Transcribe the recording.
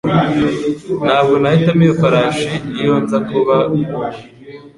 Ntabwo nahitamo iyo farashi iyo nza kuba wowe.